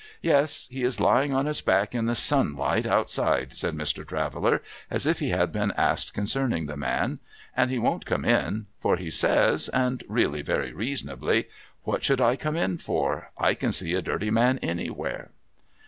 ' Yes. He is lying on his back in the sunlight outside,' said Mr. Traveller, as if he had been asked concerning the man, ' and he won't come in ; for he says — and really very reasonably —" What should I come in for ? I can see a dirty man anywhere."